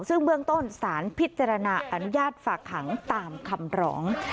ซึ่งเบื้องต้นสารพิจารณาอนุญาตฝากขังตามคำร้อง